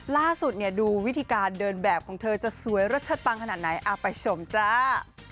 ล่าสุดดูวิธีการเดินแบบของเธอจะสวยรสเชิดปังขนาดไหนไปชมจ้า